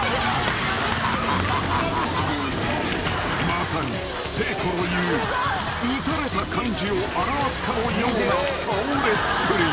［まさに誠子の言う撃たれた感じを表すかのような倒れっぷり］